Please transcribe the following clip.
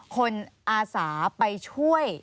อาสาไปช่วย